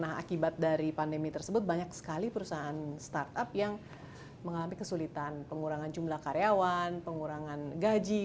nah akibat dari pandemi tersebut banyak sekali perusahaan startup yang mengalami kesulitan pengurangan jumlah karyawan pengurangan gaji